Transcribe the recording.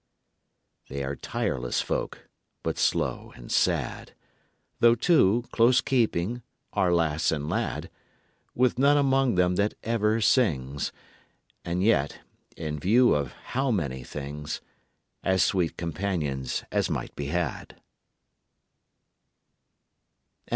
They are tireless folk, but slow and sad, Though two, close keeping, are lass and lad, With none among them that ever sings, And yet, in view of how many things, As sweet companions as might be had.